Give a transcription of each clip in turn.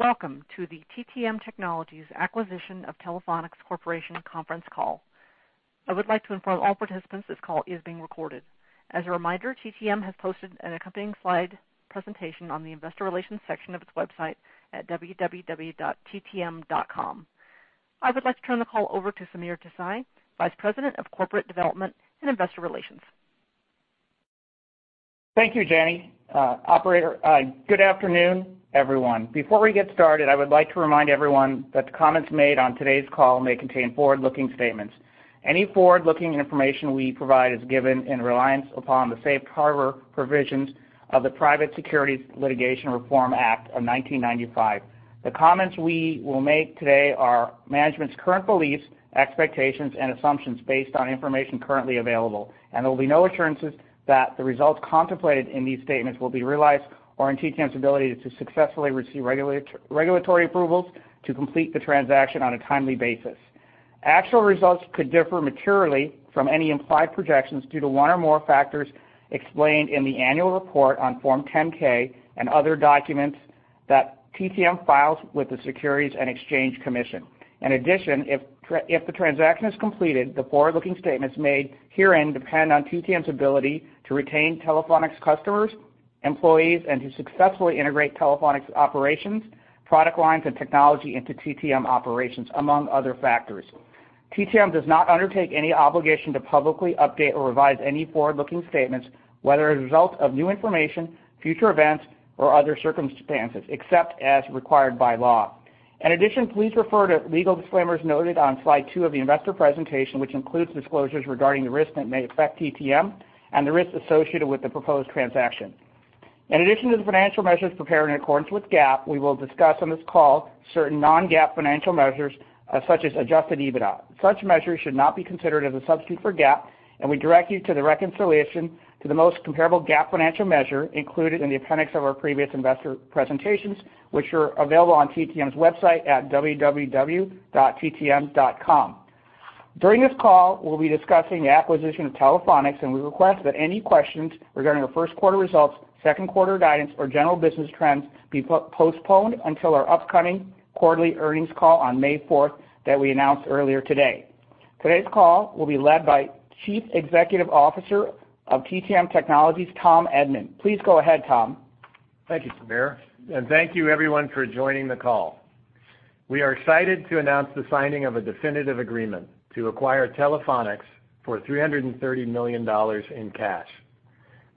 Welcome to the TTM Technologies acquisition of Telephonics Corporation conference call. I would like to inform all participants this call is being recorded. As a reminder, TTM has posted an accompanying slide presentation on the investor relations section of its website at www.ttm.com. I would like to turn the call over to Sameer Desai, Vice President of Corporate Development and Investor Relations. Thank you, Jenny. Operator, good afternoon, everyone. Before we get started, I would like to remind everyone that the comments made on today's call may contain forward-looking statements. Any forward-looking information we provide is given in reliance upon the safe harbor provisions of the Private Securities Litigation Reform Act of 1995. The comments we will make today are management's current beliefs, expectations, and assumptions based on information currently available, and there will be no assurances that the results contemplated in these statements will be realized or in TTM's ability to successfully receive regulatory approvals to complete the transaction on a timely basis. Actual results could differ materially from any implied projections due to one or more factors explained in the annual report on Form 10-K and other documents that TTM files with the Securities and Exchange Commission. In addition, if the transaction is completed, the forward-looking statements made herein depend on TTM's ability to retain Telephonics customers, employees, and to successfully integrate Telephonics operations, product lines, and technology into TTM operations, among other factors. TTM does not undertake any obligation to publicly update or revise any forward-looking statements, whether as a result of new information, future events, or other circumstances, except as required by law. In addition, please refer to legal disclaimers noted on slide two of the investor presentation, which includes disclosures regarding the risks that may affect TTM and the risks associated with the proposed transaction. In addition to the financial measures prepared in accordance with GAAP, we will discuss on this call certain non-GAAP financial measures, such as adjusted EBITDA. Such measures should not be considered as a substitute for GAAP, and we direct you to the reconciliation to the most comparable GAAP financial measure included in the appendix of our previous investor presentations, which are available on TTM's website at www.ttm.com. During this call, we'll be discussing the acquisition of Telephonics, and we request that any questions regarding our Q1 results, Q2 guidance, or general business trends be postponed until our upcoming quarterly earnings call on May fourth that we announced earlier today. Today's call will be led by Chief Executive Officer of TTM Technologies, Tom Edman. Please go ahead, Tom. Thank you, Sameer, and thank you everyone for joining the call. We are excited to announce the signing of a definitive agreement to acquire Telephonics for $330 million in cash.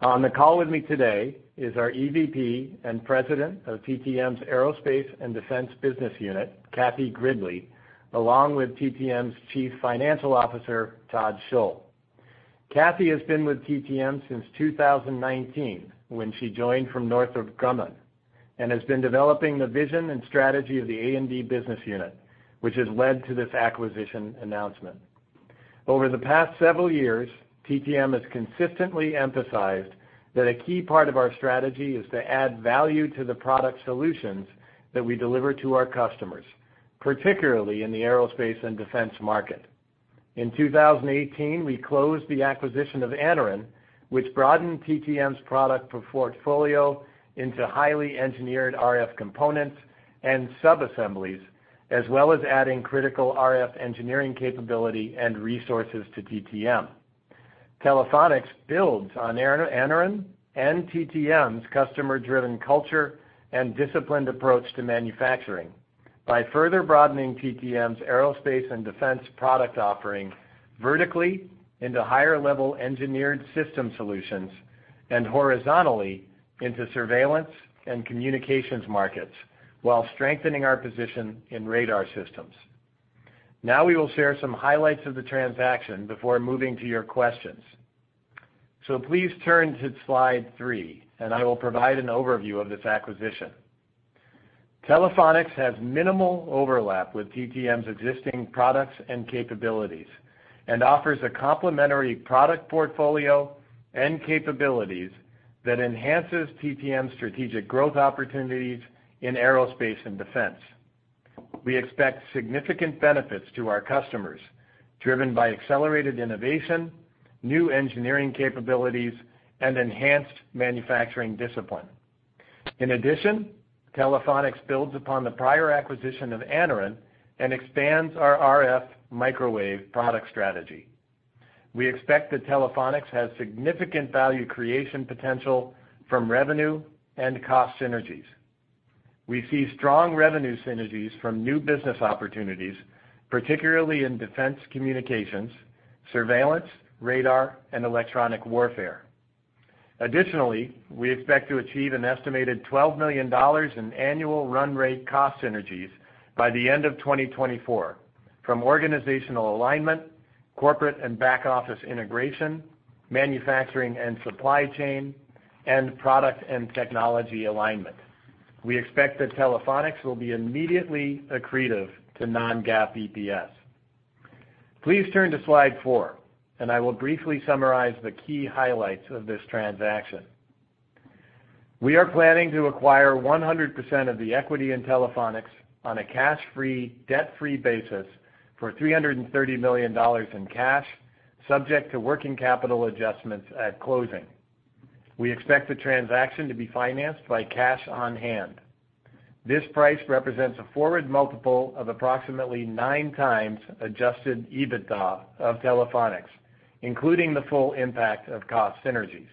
On the call with me today is our EVP and President of TTM's Aerospace and Defense business unit, Cathy Gridley, along with TTM's Chief Financial Officer, Todd Schull. Cathy has been with TTM since 2019, when she joined from Northrop Grumman, and has been developing the vision and strategy of the A&D business unit, which has led to this acquisition announcement. Over the past several years, TTM has consistently emphasized that a key part of our strategy is to add value to the product solutions that we deliver to our customers, particularly in the aerospace and defense market. In 2018, we closed the acquisition of Anaren, which broadened TTM's product portfolio into highly engineered RF components and subassemblies, as well as adding critical RF engineering capability and resources to TTM. Telephonics builds on Anaren and TTM's customer-driven culture and disciplined approach to manufacturing by further broadening TTM's Aerospace and Defense product offering vertically into higher-level engineered system solutions and horizontally into surveillance and communications markets while strengthening our position in radar systems. Now, we will share some highlights of the transaction before moving to your questions. Please turn to slide three, and I will provide an overview of this acquisition. Telephonics has minimal overlap with TTM's existing products and capabilities and offers a complementary product portfolio and capabilities that enhances TTM's strategic growth opportunities in Aerospace and Defense. We expect significant benefits to our customers, driven by accelerated innovation, new engineering capabilities, and enhanced manufacturing discipline. In addition, Telephonics builds upon the prior acquisition of Anaren and expands our RF microwave product strategy. We expect that Telephonics has significant value creation potential from revenue and cost synergies. We see strong revenue synergies from new business opportunities, particularly in defense communications, surveillance, radar, and electronic warfare. Additionally, we expect to achieve an estimated $12 million in annual run rate cost synergies by the end of 2024 from organizational alignment, corporate and back-office integration, manufacturing and supply chain, and product and technology alignment. We expect that Telephonics will be immediately accretive to non-GAAP EPS. Please turn to slide four, and I will briefly summarize the key highlights of this transaction. We are planning to acquire 100% of the equity in Telephonics on a cash-free, debt-free basis for $330 million in cash, subject to working capital adjustments at closing. We expect the transaction to be financed by cash on hand. This price represents a forward multiple of approximately 9x adjusted EBITDA of Telephonics, including the full impact of cost synergies.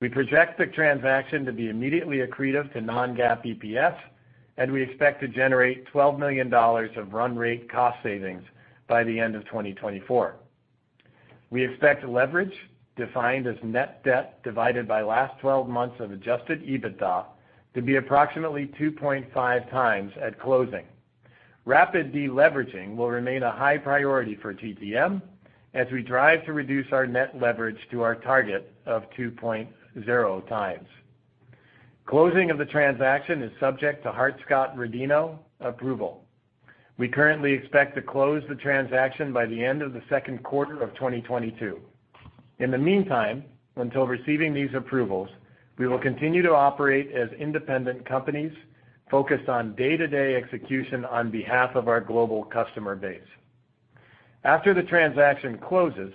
We project the transaction to be immediately accretive to non-GAAP EPS, and we expect to generate $12 million of run rate cost savings by the end of 2024. We expect leverage defined as net debt divided by last twelve months of adjusted EBITDA to be approximately 2.5x at closing. Rapid deleveraging will remain a high priority for TTM as we drive to reduce our net leverage to our target of 2.0x. Closing of the transaction is subject to Hart-Scott-Rodino approval. We currently expect to close the transaction by the end of the Q2 of 2022. In the meantime, until receiving these approvals, we will continue to operate as independent companies focused on day-to-day execution on behalf of our global customer base. After the transaction closes,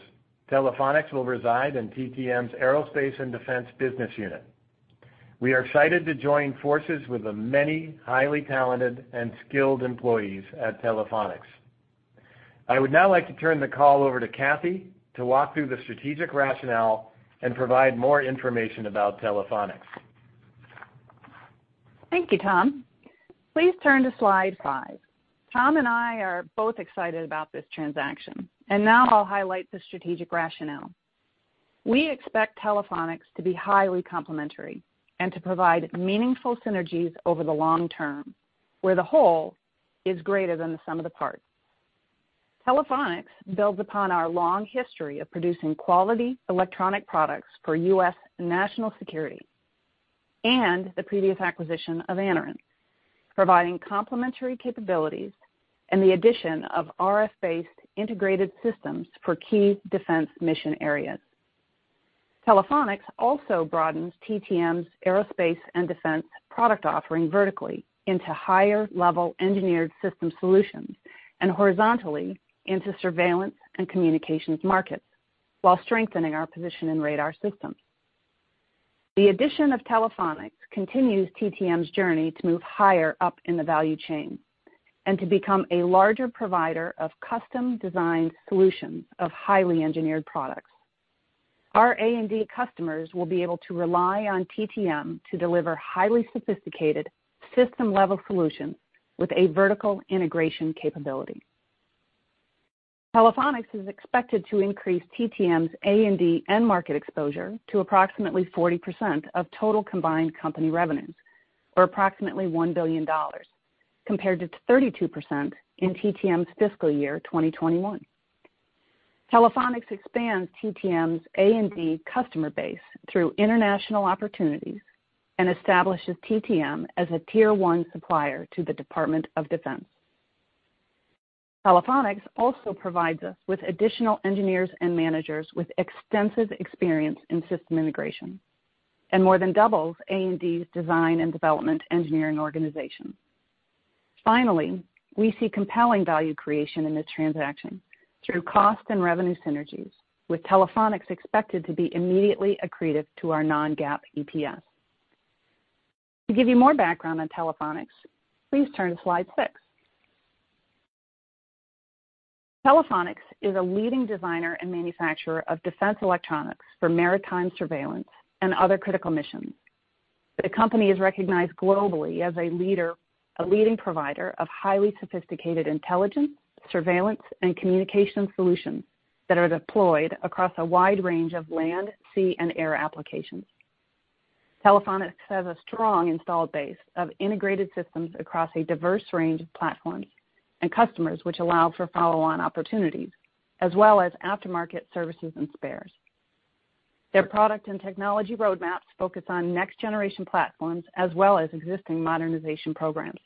Telephonics will reside in TTM's Aerospace and Defense business unit. We are excited to join forces with the many highly talented and skilled employees at Telephonics. I would now like to turn the call over to Cathy to walk through the strategic rationale and provide more information about Telephonics. Thank you, Tom. Please turn to slide five. Tom and I are both excited about this transaction, and now I'll highlight the strategic rationale. We expect Telephonics to be highly complementary and to provide meaningful synergies over the long term, where the whole is greater than the sum of the parts. Telephonics builds upon our long history of producing quality electronic products for U.S. national security and the previous acquisition of Anaren, providing complementary capabilities and the addition of RF-based integrated systems for key defense mission areas. Telephonics also broadens TTM's Aerospace & Defense product offering vertically into higher-level engineered system solutions and horizontally into surveillance and communications markets while strengthening our position in radar systems. The addition of Telephonics continues TTM's journey to move higher up in the value chain and to become a larger provider of custom-designed solutions of highly engineered products. Our A&D customers will be able to rely on TTM to deliver highly sophisticated system-level solutions with a vertical integration capability. Telephonics is expected to increase TTM's A&D end market exposure to approximately 40% of total combined company revenues, or approximately $1 billion, compared to 32% in TTM's fiscal year 2021. Telephonics expands TTM's A&D customer base through international opportunities and establishes TTM as a tier one supplier to the Department of Defense. Telephonics also provides us with additional engineers and managers with extensive experience in system integration and more than doubles A&D's design and development engineering organization. Finally, we see compelling value creation in this transaction through cost and revenue synergies, with Telephonics expected to be immediately accretive to our non-GAAP EPS. To give you more background on Telephonics, please turn to slide six. Telephonics is a leading designer and manufacturer of defense electronics for maritime surveillance and other critical missions. The company is recognized globally as a leading provider of highly sophisticated intelligence, surveillance, and communication solutions that are deployed across a wide range of land, sea, and air applications. Telephonics has a strong installed base of integrated systems across a diverse range of platforms and customers which allow for follow-on opportunities as well as aftermarket services and spares. Their product and technology roadmaps focus on next-generation platforms as well as existing modernization programs.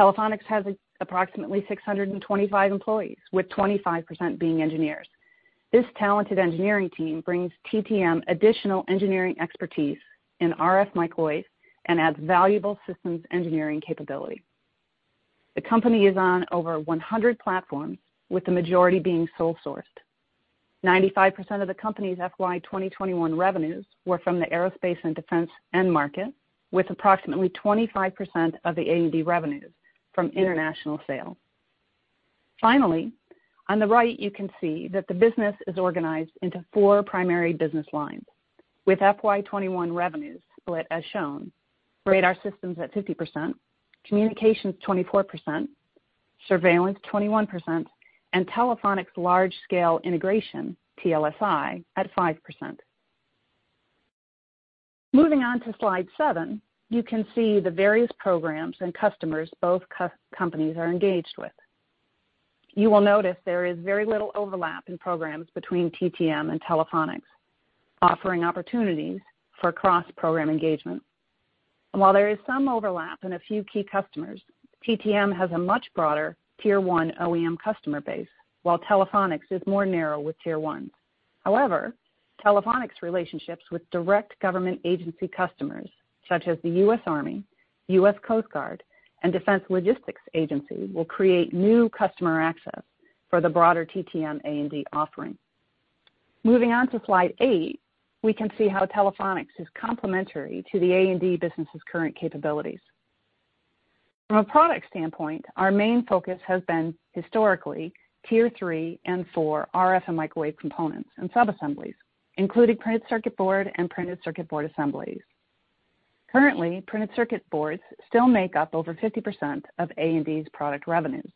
Telephonics has approximately 625 employees, with 25% being engineers. This talented engineering team brings TTM additional engineering expertise in RF microwave and adds valuable systems engineering capability. The company is on over 100 platforms, with the majority being sole-sourced. 95% of the company's FY 2021 revenues were from the aerospace and defense end market, with approximately 25% of the A&D revenues from international sales. Finally, on the right, you can see that the business is organized into four primary business lines, with FY 2021 revenues split as shown, radar systems at 50%, communications 24%, surveillance 21%, and Telephonics Large Scale Integration, TLSI, at 5%. Moving on to slide seven, you can see the various programs and customers both companies are engaged with. You will notice there is very little overlap in programs between TTM and Telephonics, offering opportunities for cross-program engagement. While there is some overlap in a few key customers, TTM has a much broader tier one OEM customer base, while Telephonics is more narrow with tier ones. However, Telephonics relationships with direct government agency customers such as the U.S. Army, U.S. Coast Guard, and Defense Logistics Agency will create new customer access for the broader TTM A&D offering. Moving on to slide eight, we can see how Telephonics is complementary to the A&D business's current capabilities. From a product standpoint, our main focus has been historically tier 3 and 4 RF and microwave components and subassemblies, including printed circuit board and printed circuit board assemblies. Currently, printed circuit boards still make up over 50% of A&D's product revenues,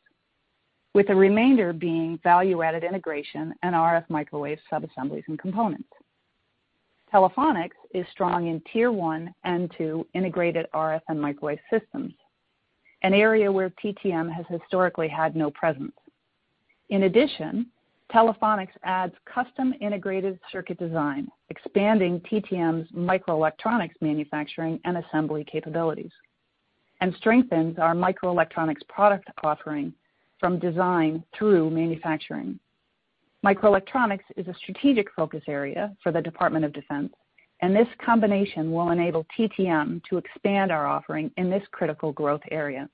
with the remainder being value-added integration and RF microwave subassemblies and components. Telephonics is strong in tier 1 and 2 integrated RF and microwave systems, an area where TTM has historically had no presence. In addition, Telephonics adds custom integrated circuit design, expanding TTM's microelectronics manufacturing and assembly capabilities, and strengthens our microelectronics product offering from design through manufacturing. Microelectronics is a strategic focus area for the Department of Defense, and this combination will enable TTM to expand our offering in this critical growth area.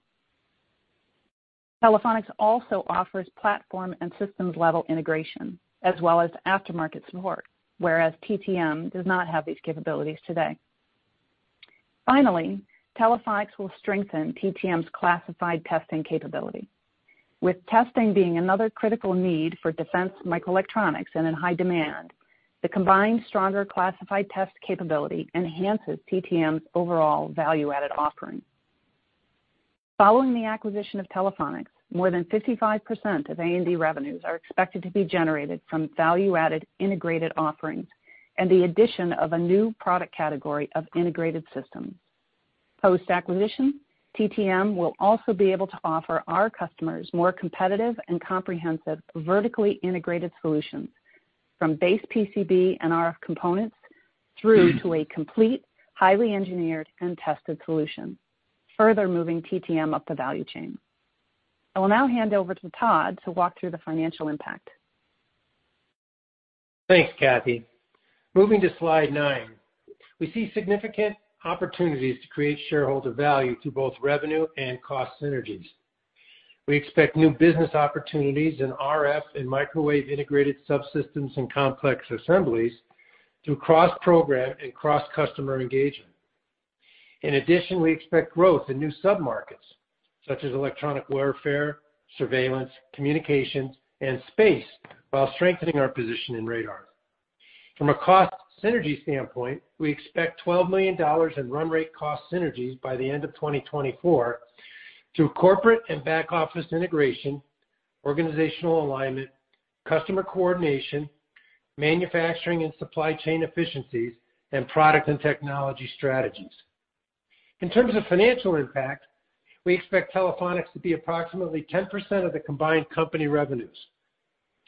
Telephonics also offers platform and systems-level integration as well as aftermarket support, whereas TTM does not have these capabilities today. Finally, Telephonics will strengthen TTM's classified testing capability. With testing being another critical need for defense microelectronics and in high demand, the combined stronger classified test capability enhances TTM's overall value-added offering. Following the acquisition of Telephonics, more than 55% of A&D revenues are expected to be generated from value-added integrated offerings and the addition of a new product category of integrated systems. Post-acquisition, TTM will also be able to offer our customers more competitive and comprehensive vertically integrated solutions from base PCB and RF components through to a complete, highly engineered and tested solution, further moving TTM up the value chain. I will now hand over to Todd to walk through the financial impact. Thanks, Cathy. Moving to slide nine. We see significant opportunities to create shareholder value through both revenue and cost synergies. We expect new business opportunities in RF and microwave integrated subsystems and complex assemblies through cross-program and cross-customer engagement. In addition, we expect growth in new submarkets such as electronic warfare, surveillance, communications, and space, while strengthening our position in radar. From a cost synergy standpoint, we expect $12 million in run rate cost synergies by the end of 2024 through corporate and back-office integration, organizational alignment, customer coordination, manufacturing and supply chain efficiencies, and product and technology strategies. In terms of financial impact, we expect Telephonics to be approximately 10% of the combined company revenues.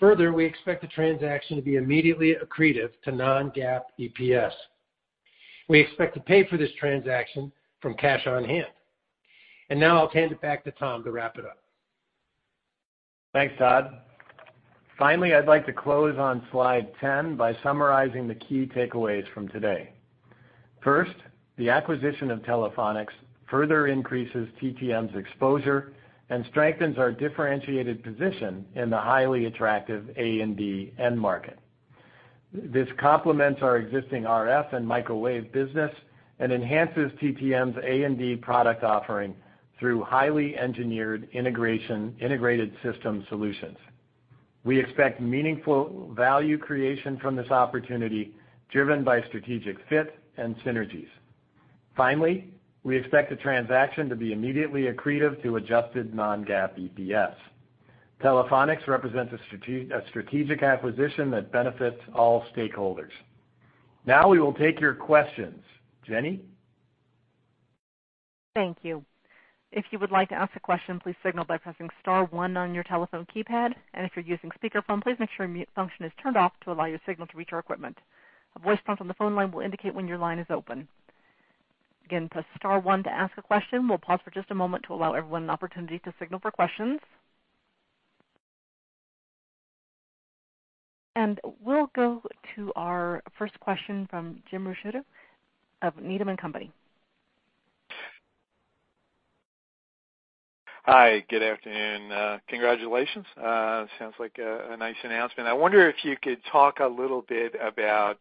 Further, we expect the transaction to be immediately accretive to non-GAAP EPS. We expect to pay for this transaction from cash on hand. Now I'll hand it back to Tom to wrap it up. Thanks, Todd. Finally, I'd like to close on slide 10 by summarizing the key takeaways from today. First, the acquisition of Telephonics further increases TTM's exposure and strengthens our differentiated position in the highly attractive A&D end market. This complements our existing RF and microwave business and enhances TTM's A&D product offering through highly engineered integrated system solutions. We expect meaningful value creation from this opportunity, driven by strategic fit and synergies. Finally, we expect the transaction to be immediately accretive to adjusted non-GAAP EPS. Telephonics represents a strategic acquisition that benefits all stakeholders. Now we will take your questions. Jenny? Thank you. If you would like to ask a question, please signal by pressing star one on your telephone keypad. If you're using speakerphone, please make sure mute function is turned off to allow your signal to reach our equipment. A voice prompt on the phone line will indicate when your line is open. Again, press star one to ask a question. We'll pause for just a moment to allow everyone an opportunity to signal for questions. We'll go to our first question from Jim Ricchiuti of Needham & Company. Hi, good afternoon. Congratulations. Sounds like a nice announcement. I wonder if you could talk a little bit about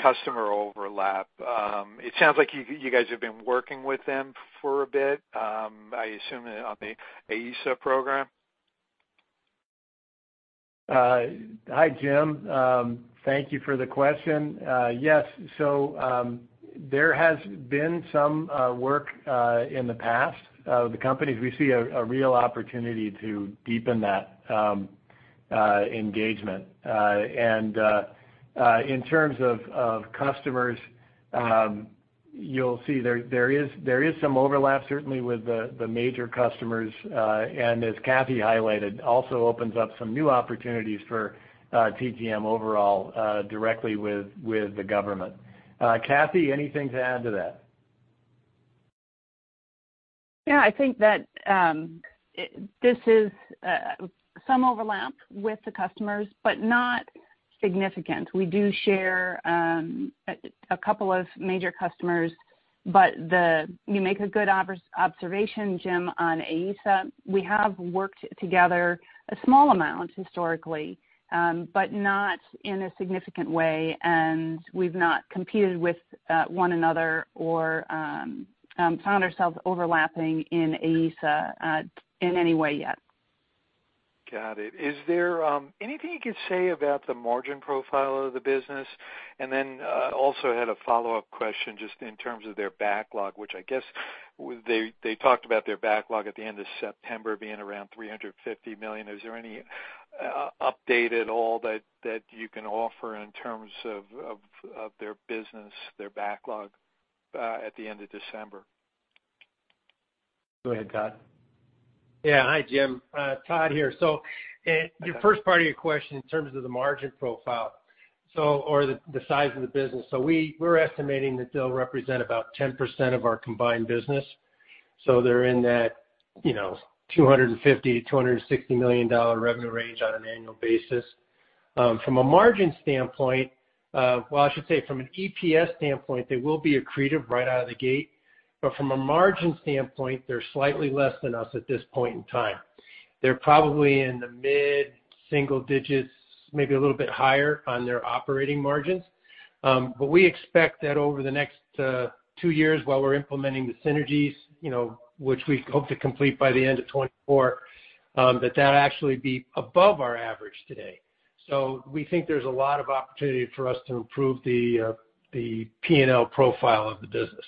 customer overlap. It sounds like you guys have been working with them for a bit. I assume on the AESA program. Hi, Jim. Thank you for the question. Yes. There has been some work in the past with the companies. We see a real opportunity to deepen that engagement. In terms of customers, you'll see there is some overlap certainly with the major customers, and as Cathy highlighted, also opens up some new opportunities for TTM overall, directly with the government. Cathy, anything to add to that? Yeah, I think that this is some overlap with the customers, but not significant. We do share a couple of major customers, but you make a good observation, Jim, on AESA. We have worked together a small amount historically, but not in a significant way, and we've not competed with one another or found ourselves overlapping in AESA in any way yet. Got it. Is there anything you can say about the margin profile of the business? I also had a follow-up question just in terms of their backlog, which I guess they talked about their backlog at the end of September being around $350 million. Is there any update at all that you can offer in terms of their business, their backlog, at the end of December? Go ahead, Todd. Yeah. Hi, Jim. Todd here. Your first part of your question in terms of the margin profile, the size of the business. We're estimating that they'll represent about 10% of our combined business. They're in that, you know, $250 million-$260 million revenue range on an annual basis. From a margin standpoint, well, I should say from an EPS standpoint, they will be accretive right out of the gate. From a margin standpoint, they're slightly less than us at this point in time. They're probably in the mid-single digits, maybe a little bit higher on their operating margins. We expect that over the next two years while we're implementing the synergies, you know, which we hope to complete by the end of 2024, that that'll actually be above our average today. We think there's a lot of opportunity for us to improve the P&L profile of the business.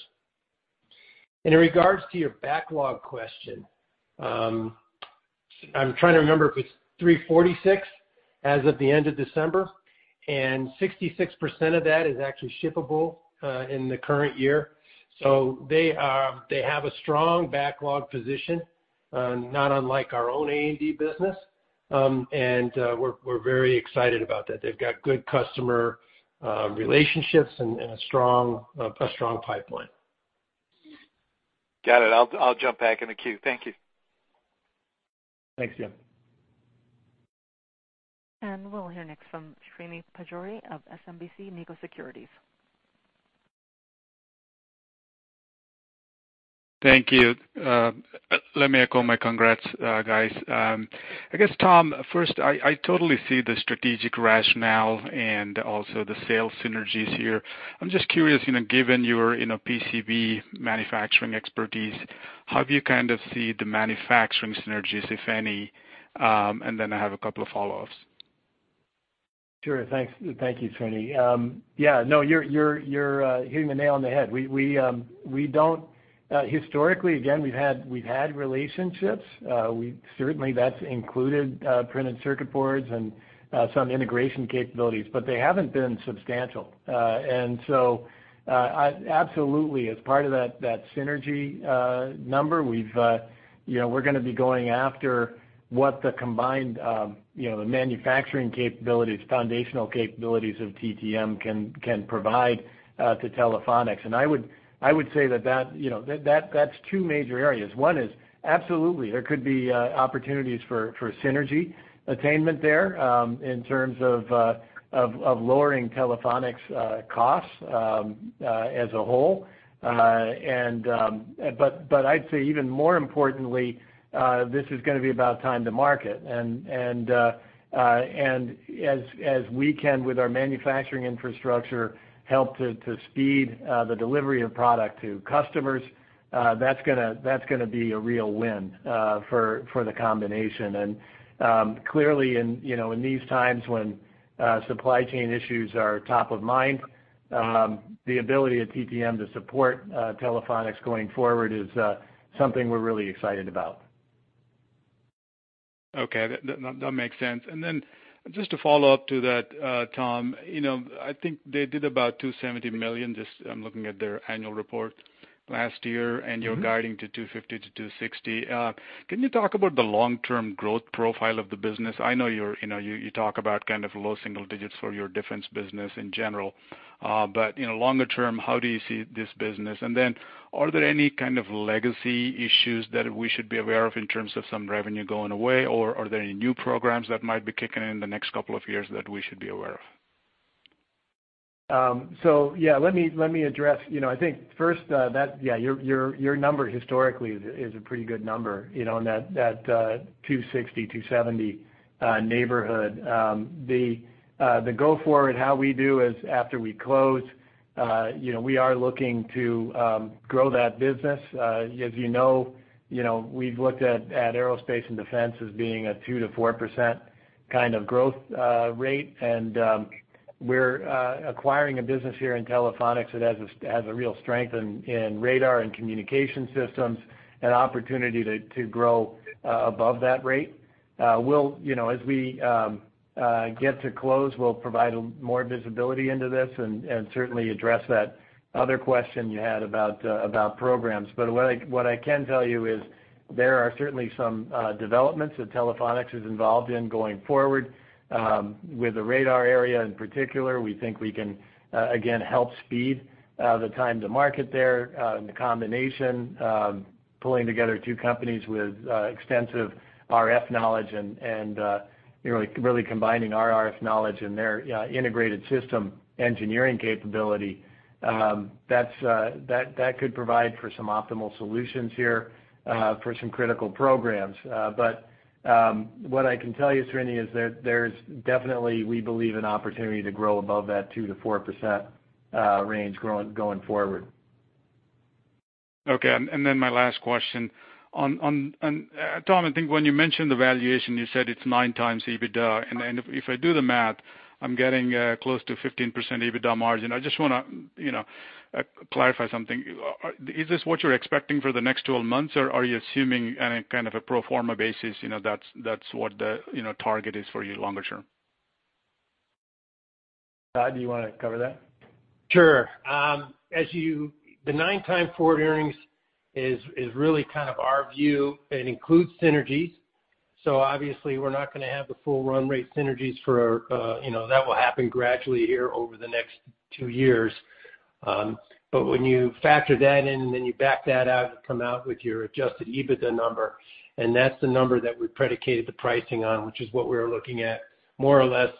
In regards to your backlog question, I'm trying to remember if it's $346 million as of the end of December, and 66% of that is actually shippable in the current year. They have a strong backlog position, not unlike our own A&D business. We're very excited about that. They've got good customer relationships and a strong pipeline. Got it. I'll jump back in the queue. Thank you. Thanks, Jim. We'll hear next from Srini Pajjuri of SMBC Nikko Securities. Thank you. Let me echo my congrats, guys. I guess, Tom, first, I totally see the strategic rationale and also the sales synergies here. I'm just curious, you know, given your, you know, PCB manufacturing expertise, how do you kind of see the manufacturing synergies, if any? I have a couple of follow-ups. Sure. Thanks. Thank you, Srini. Yeah, no, you're hitting the nail on the head. We don't historically, again, we've had relationships. We certainly, that's included printed circuit boards and some integration capabilities, but they haven't been substantial. Absolutely, as part of that synergy number, we've you know, we're gonna be going after what the combined you know, the manufacturing capabilities, foundational capabilities of TTM can provide to Telephonics. I would say that that's two major areas. One is absolutely, there could be opportunities for synergy attainment there in terms of lowering Telephonics' costs as a whole. I'd say even more importantly, this is gonna be about time to market. As we can with our manufacturing infrastructure, help to speed the delivery of product to customers, that's gonna be a real win for the combination. Clearly in, you know, in these times when supply chain issues are top of mind, the ability of TTM to support Telephonics going forward is something we're really excited about. Okay. That makes sense. Just to follow up to that, Tom, you know, I think they did about $270 million, just I'm looking at their annual report last year, and you're guiding to $250 million-$260 million. Can you talk about the long-term growth profile of the business? I know you know you talk about kind of low single digits for your defense business in general. You know, longer term, how do you see this business? Are there any kind of legacy issues that we should be aware of in terms of some revenue going away? Are there any new programs that might be kicking in the next couple of years that we should be aware of? Let me address. You know, I think first, that your number historically is a pretty good number, you know, in that 260-270 neighborhood. The go forward, how we do is after we close, you know, we are looking to grow that business. As you know, we've looked at aerospace and defense as being a 2%-4% kind of growth rate. We're acquiring a business here in Telephonics that has a real strength in radar and communication systems, an opportunity to grow above that rate. We'll, you know, as we get to close, we'll provide more visibility into this and certainly address that other question you had about programs. What I can tell you is there are certainly some developments that Telephonics is involved in going forward. With the radar area in particular, we think we can again help speed the time to market there. The combination, pulling together two companies with extensive RF knowledge and you know really combining our RF knowledge and their integrated system engineering capability, that could provide for some optimal solutions here for some critical programs. What I can tell you, Srini, is that there's definitely, we believe, an opportunity to grow above that 2%-4% range going forward. Okay. Then my last question. Tom, I think when you mentioned the valuation, you said it's 9 times EBITDA. Then if I do the math, I'm getting close to 15% EBITDA margin. I just wanna, you know, clarify something. Is this what you're expecting for the next 12 months, or are you assuming on a kind of a pro forma basis, you know, that's what the, you know, target is for you longer term? Doug, do you wanna cover that? Sure. The nine times forward earnings is really kind of our view. It includes synergies. Obviously, we're not gonna have the full run rate synergies for, you know, that will happen gradually here over the next two years. But when you factor that in, and then you back that out and come out with your adjusted EBITDA number, and that's the number that we predicated the pricing on, which is what we're looking at more or less,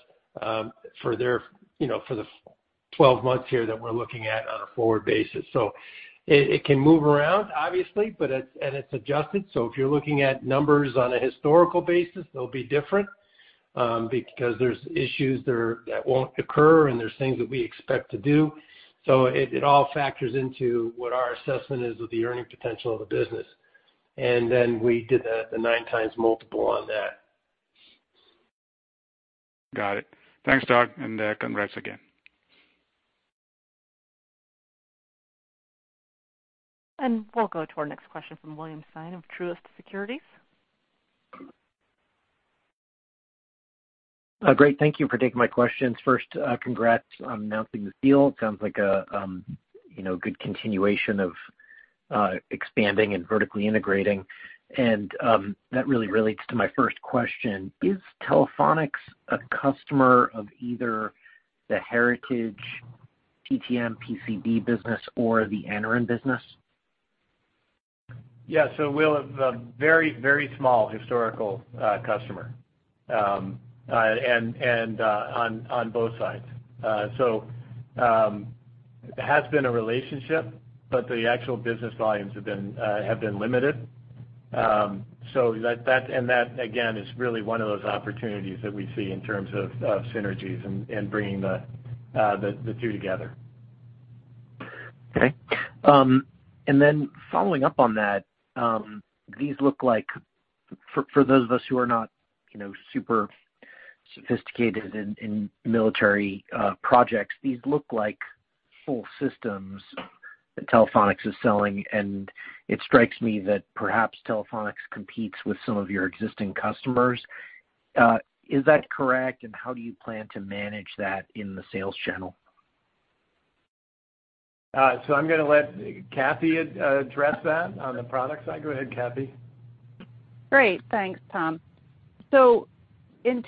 for there, you know, for the 12 months here that we're looking at on a forward basis. It can move around, obviously, but it's adjusted, so if you're looking at numbers on a historical basis, they'll be different, because there's issues there that won't occur and there's things that we expect to do. It all factors into what our assessment is of the earning potential of the business. We did the 9x multiple on that. Got it. Thanks, Doug, and congrats again. We'll go to our next question from William Stein of Truist Securities. Great. Thank you for taking my questions. First, congrats on announcing the deal. Sounds like, you know, good continuation of expanding and vertically integrating. That really relates to my first question: Is Telephonics a customer of either the heritage TTM PCB business or the Anaren business? Yeah. We'll have a very small historical customer and on both sides. It has been a relationship, but the actual business volumes have been limited. That again is really one of those opportunities that we see in terms of synergies and bringing the two together. Okay. Following up on that, these look like, for those of us who are not, you know, super sophisticated in military projects, these look like full systems that Telephonics is selling, and it strikes me that perhaps Telephonics competes with some of your existing customers. Is that correct, and how do you plan to manage that in the sales channel? I'm gonna let Cathy address that on the product side. Go ahead, Cathy. Great. Thanks, Tom. In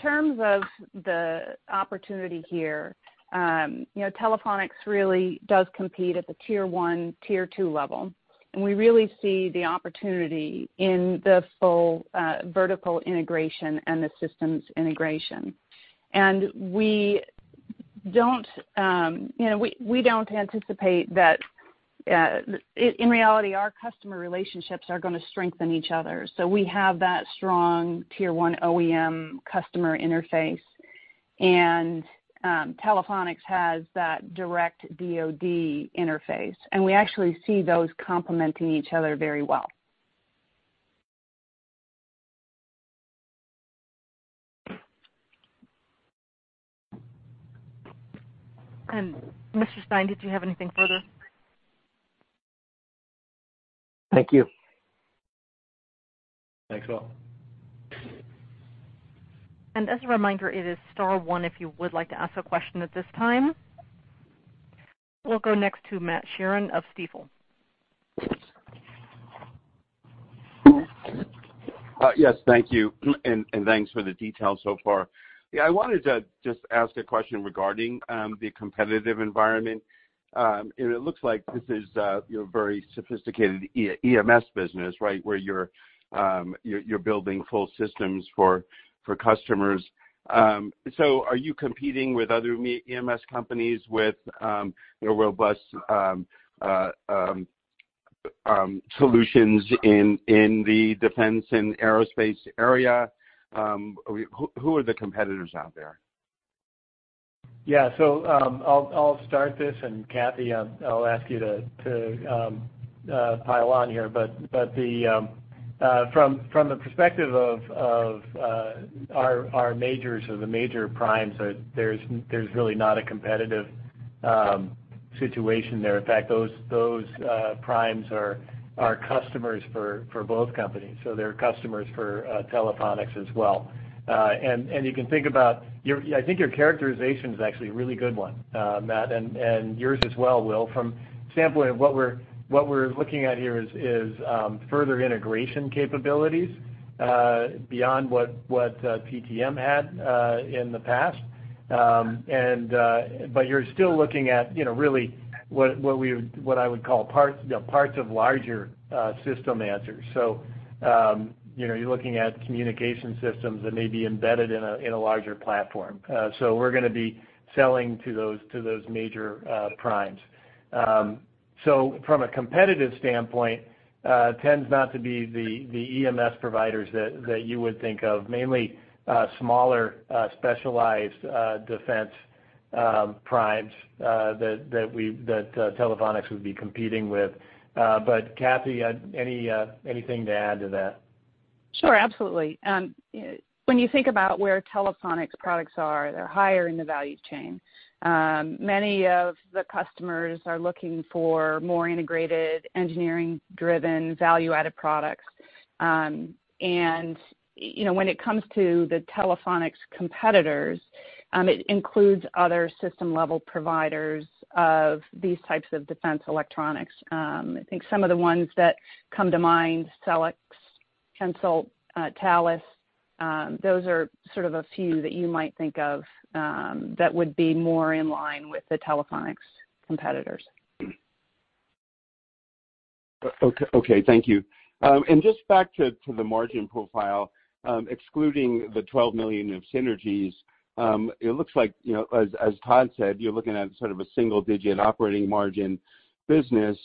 terms of the opportunity here, you know, Telephonics really does compete at the tier one, tier two level, and we really see the opportunity in the full, vertical integration and the systems integration. We don't, you know, anticipate that in reality, our customer relationships are gonna strengthen each other. We have that strong tier one OEM customer interface, and Telephonics has that direct DoD interface, and we actually see those complementing each other very well. Mr. Stein, did you have anything further? Thank you. Thanks, Will. As a reminder, it is star one if you would like to ask a question at this time. We'll go next to Matthew Sheerin of Stifel. Yes, thank you, and thanks for the details so far. Yeah, I wanted to just ask a question regarding the competitive environment. It looks like this is your very sophisticated A&D-EMS business, right? Where you're building full systems for customers. Are you competing with other EMS companies with, you know, robust solutions in the defense and aerospace area? Who are the competitors out there? Yeah, I'll start this, and Cathy, I'll ask you to pile on here. From the perspective of our majors or the major primes, there's really not a competitive situation there. In fact, those primes are customers for both companies. They're customers for Telephonics as well. You can think about your. I think your characterization is actually a really good one, Matt, and yours as well, Will. From the standpoint of what we're looking at here is further integration capabilities beyond what TTM had in the past. You're still looking at, you know, really what I would call parts, you know, parts of larger system assemblies. You know, you're looking at communication systems that may be embedded in a larger platform. We're gonna be selling to those major primes. From a competitive standpoint, it tends not to be the EMS providers that you would think of, mainly smaller specialized defense primes that Telephonics would be competing with. Cathy, anything to add to that? Sure, absolutely. When you think about where Telephonics products are, they're higher in the value chain. Many of the customers are looking for more integrated, engineering-driven, value-added products. You know, when it comes to the Telephonics competitors, it includes other system-level providers of these types of defense electronics. I think some of the ones that come to mind, Selex ES, Hensoldt, Thales, those are sort of a few that you might think of that would be more in line with the Telephonics competitors. Okay, thank you. Just back to the margin profile, excluding the $12 million of synergies, it looks like, you know, as Todd said, you're looking at sort of a single-digit operating margin business,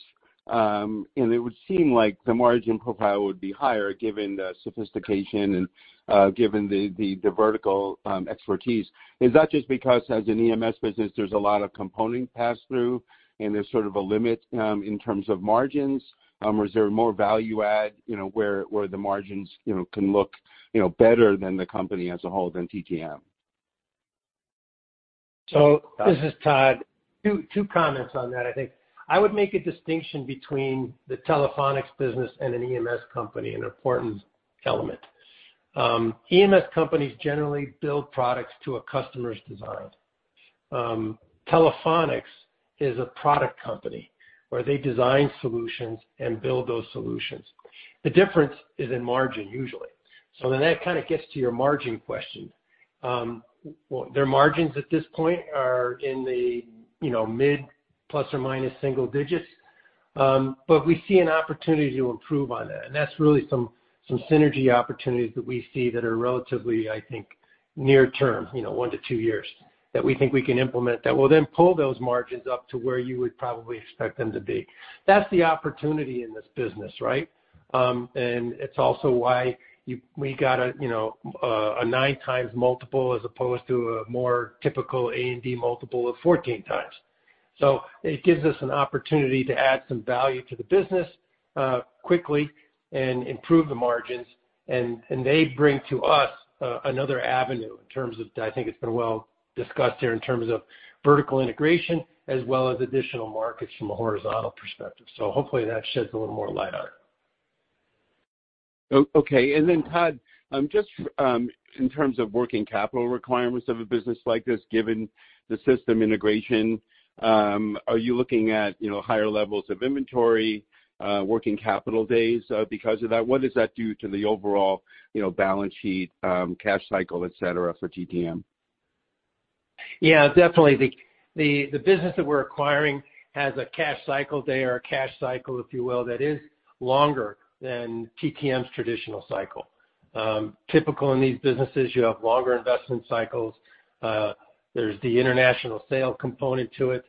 and it would seem like the margin profile would be higher given the sophistication and given the vertical expertise. Is that just because as an EMS business, there's a lot of component pass-through, and there's sort of a limit in terms of margins, or is there more value add, you know, where the margins can look better than the company as a whole than TTM? This is Todd. Two comments on that. I think I would make a distinction between the Telephonics business and an EMS company, an important element. EMS companies generally build products to a customer's design. Telephonics is a product company where they design solutions and build those solutions. The difference is in margin usually. That kind of gets to your margin question. Well, their margins at this point are in the, you know, mid plus or minus single-digit %. But we see an opportunity to improve on that. That's really some synergy opportunities that we see that are relatively, I think, near term, you know, one-two years, that we think we can implement that will then pull those margins up to where you would probably expect them to be. That's the opportunity in this business, right? It's also why we got a, you know, a 9x multiple as opposed to a more typical A&D multiple of 14x. It gives us an opportunity to add some value to the business quickly and improve the margins, and they bring to us another avenue in terms of I think it's been well discussed here in terms of vertical integration as well as additional markets from a horizontal perspective. Hopefully that sheds a little more light on it. Okay. Todd, just, in terms of working capital requirements of a business like this, given the system integration, are you looking at, you know, higher levels of inventory, working capital days, because of that? What does that do to the overall, you know, balance sheet, cash cycle, et cetera, for TTM? Yeah, definitely. The business that we're acquiring has a cash cycle day or a cash cycle, if you will, that is longer than TTM's traditional cycle. Typical in these businesses, you have longer investment cycles. There's the international sale component to it.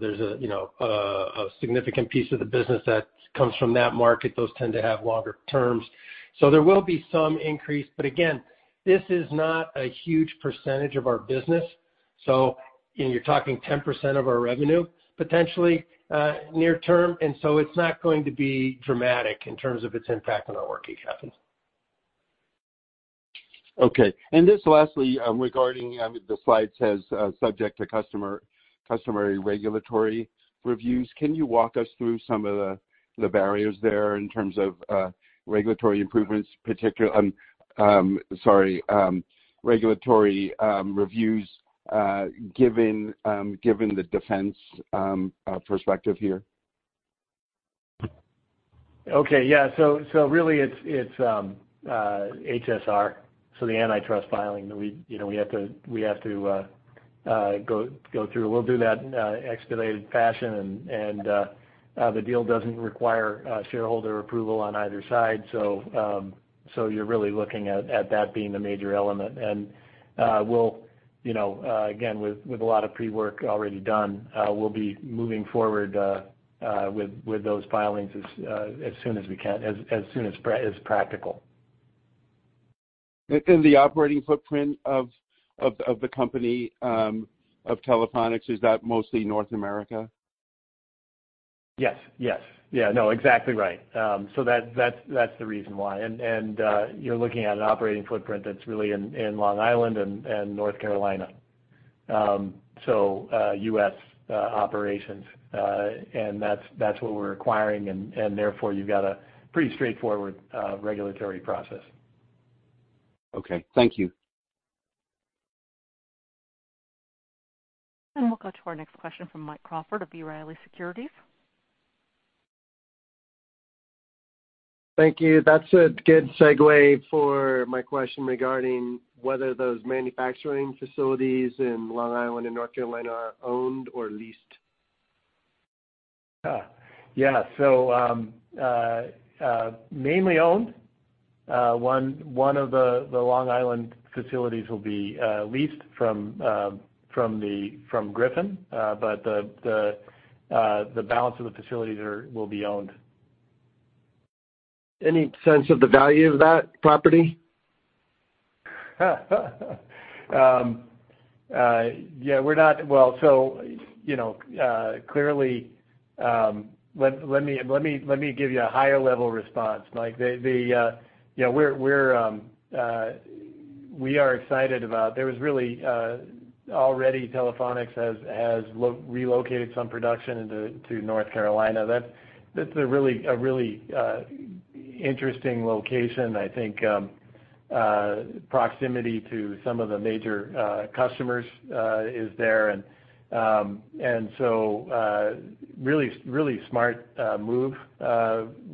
There's a, you know, a significant piece of the business that comes from that market. Those tend to have longer terms. There will be some increase, but again, this is not a huge percentage of our business. You're talking 10% of our revenue, potentially, near term, and so it's not going to be dramatic in terms of its impact on our working capital. Okay. Just lastly, regarding, I mean, the slide says subject to customer customary regulatory reviews. Can you walk us through some of the barriers there in terms of regulatory reviews, given the defense perspective here? Okay. Yeah. So really it's HSR, so the antitrust filing that we, you know, have to go through. We'll do that in an expedited fashion and the deal doesn't require shareholder approval on either side. You're really looking at that being the major element. We'll, you know, again, with a lot of pre-work already done, we'll be moving forward with those filings as soon as we can, as soon as practical. The operating footprint of the company of Telephonics is that mostly North America? Yes. Yeah, no, exactly right. That's the reason why. You're looking at an operating footprint that's really in Long Island and North Carolina. U.S. operations. That's what we're acquiring and therefore, you've got a pretty straightforward regulatory process. Okay, thank you. We'll go to our next question from Mike Crawford of B. Riley Securities. Thank you. That's a good segue for my question regarding whether those manufacturing facilities in Long Island and North Carolina are owned or leased. Mainly owned. One of the Long Island facilities will be leased from Griffon. The balance of the facilities will be owned. Any sense of the value of that property? Yeah, we're not. Well, so, you know, clearly, let me give you a higher level response, Mike. You know, we are excited about. There was really already Telephonics has relocated some production to North Carolina. That's a really interesting location. I think proximity to some of the major customers is there. And so, really smart move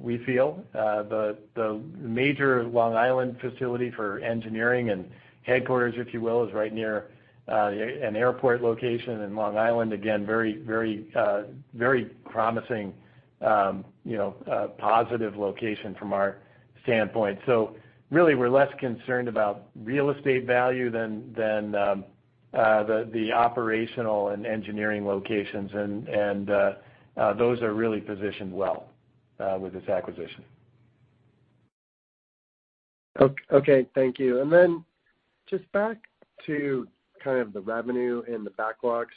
we feel. The major Long Island facility for engineering and headquarters, if you will, is right near an airport location in Long Island. Again, very promising, you know, positive location from our standpoint. Really, we're less concerned about real estate value than the operational and engineering locations and those are really positioned well with this acquisition. Okay, thank you. Just back to kind of the revenue and the backlog.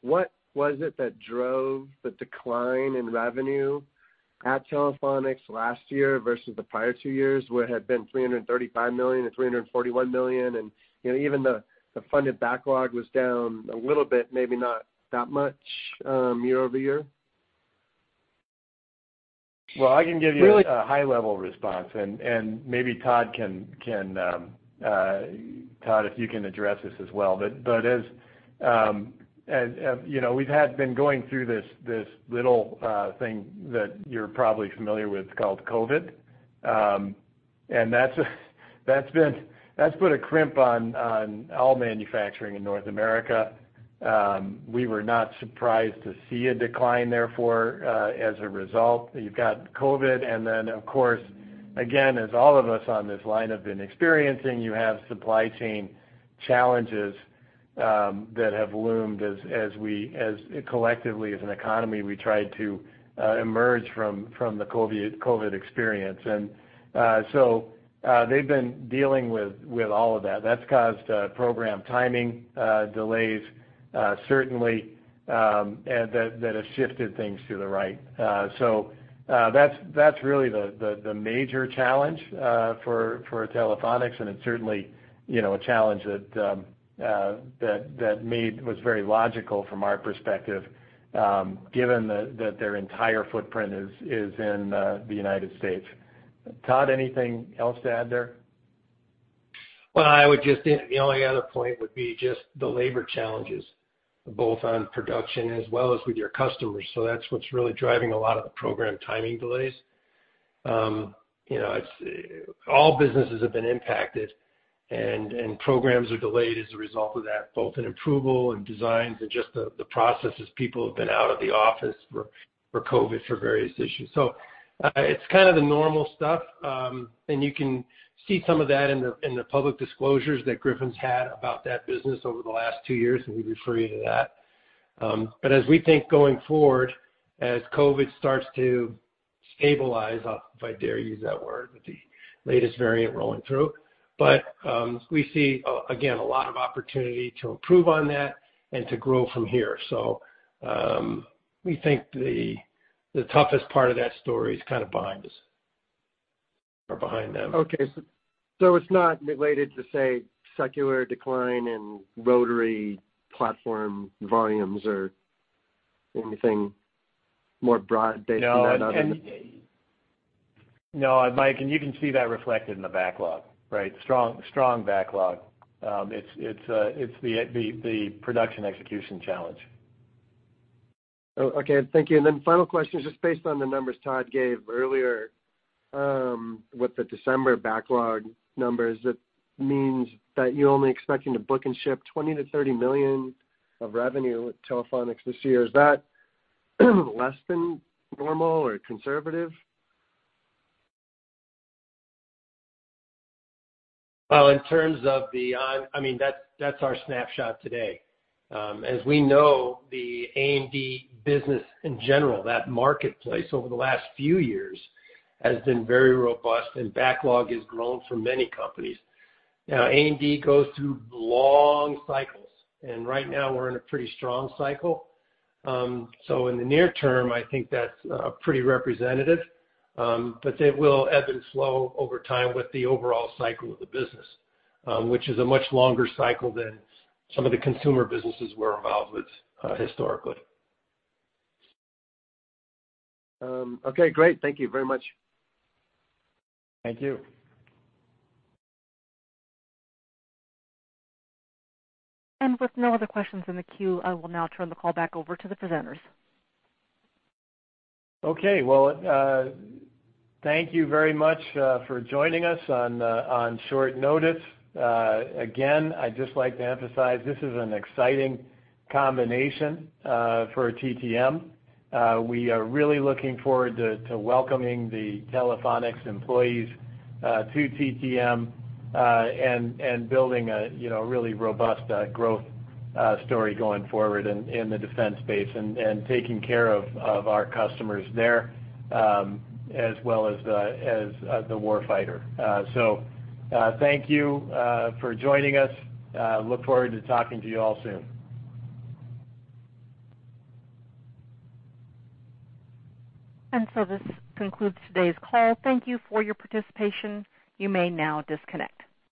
What was it that drove the decline in revenue at Telephonics last year versus the prior two years, where it had been $335 million-$341 million? You know, even the funded backlog was down a little bit, maybe not that much, year-over-year. Well, I can give you a high level response, and maybe Todd can, Todd, if you can address this as well. As you know, we've had been going through this little thing that you're probably familiar with called COVID. That's put a crimp on all manufacturing in North America. We were not surprised to see a decline therefore, as a result. You've got COVID, and then of course, again, as all of us on this line have been experiencing, you have supply chain challenges that have loomed as we collectively, as an economy, tried to emerge from the COVID experience. They've been dealing with all of that. That's caused program timing delays, certainly, and that has shifted things to the right. So that's really the major challenge for Telephonics. It's certainly, you know, a challenge that move was very logical from our perspective, given that their entire footprint is in the United States. Todd, anything else to add there? Well, I would just add, the only other point would be just the labor challenges, both on production as well as with your customers. That's what's really driving a lot of the program timing delays. You know, it's all businesses have been impacted and programs are delayed as a result of that, both in approval and designs and just the processes. People have been out of the office for COVID for various issues. It's kind of the normal stuff. You can see some of that in the public disclosures that Griffon's had about that business over the last two years, and we refer you to that. As we think going forward, as COVID starts to stabilize, if I dare use that word, with the latest variant rolling through. We see again a lot of opportunity to improve on that and to grow from here. We think the toughest part of that story is kind of behind us or behind them. It's not related to, say, secular decline in rotary platform volumes or anything more broad based than that, other than. No, no, Mike, you can see that reflected in the backlog, right? Strong backlog. It's the production execution challenge. Oh, okay. Thank you. Final question, just based on the numbers Todd gave earlier, with the December backlog numbers, that means that you're only expecting to book and ship $20 million-$30 million of revenue with Telephonics this year. Is that less than normal or conservative? Well, in terms of, I mean, that's our snapshot today. As we know, the A&D business in general, that marketplace over the last few years has been very robust and backlog has grown for many companies. Now, A&D goes through long cycles, and right now we're in a pretty strong cycle. In the near term, I think that's pretty representative. It will ebb and flow over time with the overall cycle of the business, which is a much longer cycle than some of the consumer businesses we're involved with, historically. Okay, great. Thank you very much. Thank you. With no other questions in the queue, I will now turn the call back over to the presenters. Okay. Well, thank you very much for joining us on short notice. Again, I'd just like to emphasize this is an exciting combination for TTM. We are really looking forward to welcoming the Telephonics employees to TTM, and building a, you know, really robust growth story going forward in the defense space and taking care of our customers there, as well as the warfighter. Thank you for joining us. Look forward to talking to you all soon. This concludes today's call. Thank you for your participation. You may now disconnect.